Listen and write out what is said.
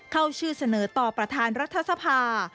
เข้าชื่อเสนอต่อประธานรัฐสภา